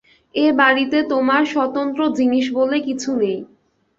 এ বাড়িতে তোমার স্বতন্ত্র জিনিস বলে কিছু নেই।